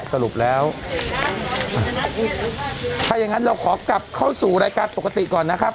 สรุปแล้วถ้าอย่างนั้นเราขอกลับเข้าสู่รายการปกติก่อนนะครับ